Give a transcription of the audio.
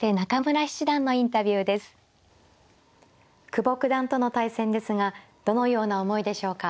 久保九段との対戦ですがどのような思いでしょうか。